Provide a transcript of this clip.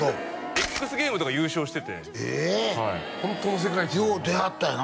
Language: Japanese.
エックスゲームズとか優勝しててはいホントの世界一よう出はったよな